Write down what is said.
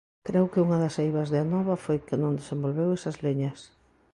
Creo que unha das eivas de Anova foi que non desenvolveu esas liñas.